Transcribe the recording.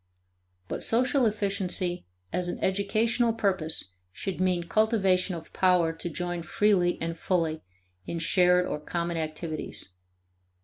But social efficiency as an educational purpose should mean cultivation of power to join freely and fully in shared or common activities.